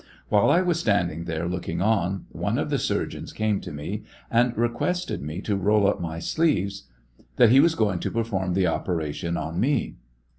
Whilelwas standing there looking on, one of the surgeons came to me and requested me to roll up my sleeves, that he was going to perform the operation on me.